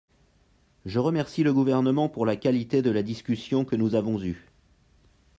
Je remercie le Gouvernement pour la qualité de la discussion que nous avons eue.